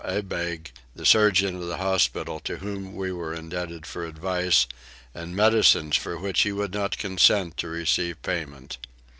Abegg, the surgeon of the hospital, to whom we were indebted for advice and medicines for which he would not consent to receive payment.